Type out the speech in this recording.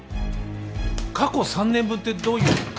過去３年分ってどういう。